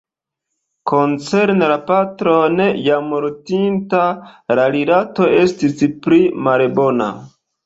Koncerne la patron, jam mortinta, la rilato estis pli malbona.